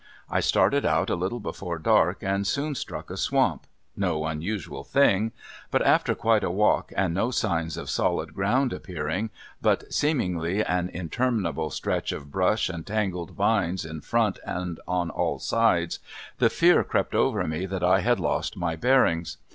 I started out a little before dark and soon struck a swamp no unusual thing but after quite a walk and no signs of solid ground appearing, but seemingly an interminable stretch of brush and tangled vines in front and on all sides, the fear crept over me that I had lost my bearings.